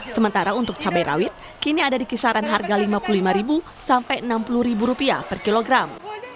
sementara untuk cabai rawit kini ada di kisaran harga rp lima puluh lima sampai rp enam puluh per kilogram